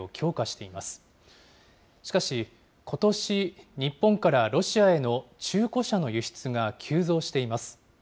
しかし、ことし日本からロシアへの中古車の輸出が急増しています。